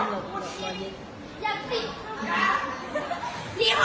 คุณคือแรงมาก